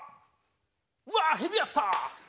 うわヘビやった！